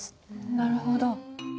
なるほど。